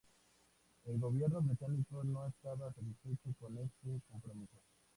El gobierno británico no estaba satisfecho con este compromiso.